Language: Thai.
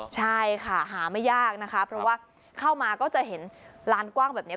ใช่ค่ะหาไม่ยากนะคะเพราะว่าเข้ามาก็จะเห็นลานกว้างแบบนี้